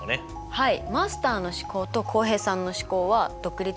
はい。